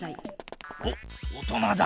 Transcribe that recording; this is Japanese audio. おっ大人だ。